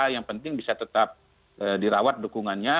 yang penting bisa tetap dirawat dukungannya